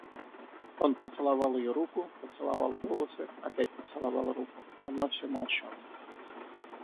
Он поцеловал ее руку, поцеловал волосы, опять поцеловал руку, — она всё молчала.